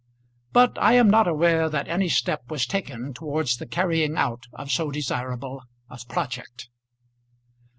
But I am not aware that any step was taken towards the carrying out of so desirable a project.